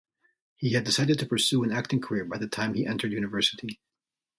He had decided to pursue an acting career by the time he entered university.